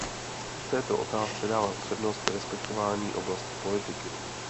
V této otázce dávám přednost respektování oblasti politiky.